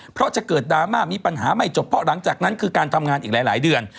เพราะจะเกิดดราม่ามีปัญหาไม่จบเพราะหลังจากนั้นคือการทำงานอีกหลายเดือน